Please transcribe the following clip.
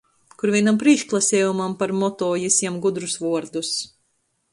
Kur vīnam prīšklasejumam par moto jis jam gudrus vuordus.